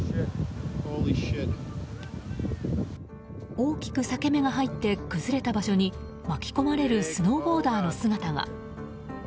大きく裂け目が入って崩れた場所に巻き込まれるスノーボーダーの姿が。